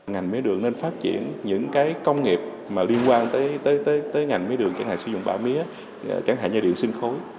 ngành mía đường nên phát triển những cái công nghiệp liên quan tới ngành mía đường chẳng hạn sử dụng ba mía chẳng hạn như điện sinh khối